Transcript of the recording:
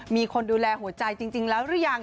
มีคนดูแลหัวใจจริงแล้วหรือยัง